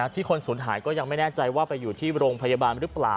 ที่คนสูญหายก็ยังไม่แน่ใจว่าไปอยู่ที่โรงพยาบาลหรือเปล่า